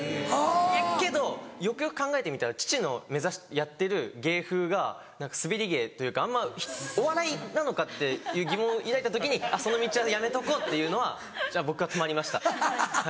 けどよくよく考えてみたら父のやってる芸風がスベり芸というかお笑いなのか？っていう疑問を抱いた時にその道はやめとこうっていうのは僕は決まりました。